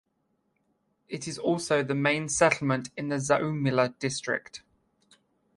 It is also the main settlement in the Zarumilla District.